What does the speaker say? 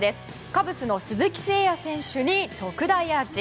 カブスの鈴木誠也選手に特大アーチ。